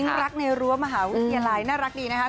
ปิ๊้งรักในรั้วมหาวิทยาลัยน่ารักดีนะคะ